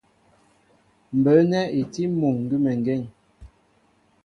Mbə̌ nɛ́ i tí muŋ gʉ́meŋgên.